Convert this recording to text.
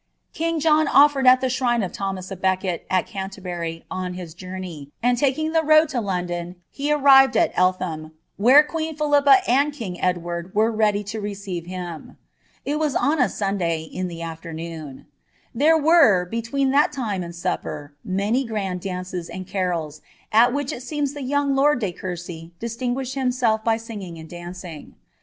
King John o^red at the shrine of Thomas a ecket, at Canterbury, on his journey, and taking the road to London 9 arrived at Eltham, where queen Philippa and king Edward were ready I reeeive him. It was on a Sunday, in the afternoon ; there were, he reen that time and supper, many grand dances and carols, at which it seras the young lord de Courcy distinguished himself by singing and neiog.